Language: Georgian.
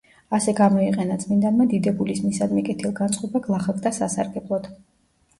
ასე გამოიყენა წმიდანმა დიდებულის მისადმი კეთილგანწყობა გლახაკთა სასარგებლოდ.